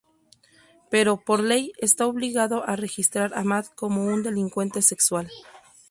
Pero, por ley, está obligado a registrar a Matt como un delincuente sexual.